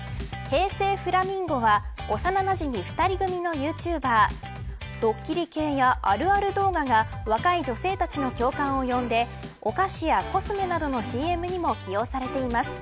平成フラミンゴは幼なじみ２人組のユーチューバードッキリ系やあるある動画が若い女性たちの共感を呼んでお菓子やコスメなどのＣＭにも起用されています。